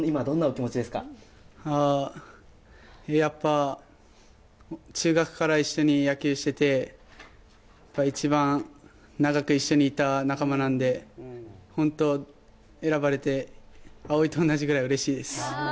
やっぱ、中学から一緒に野球してて一番長く一緒にいた仲間なんでホント、選ばれて蒼生と同じぐらいうれしいです。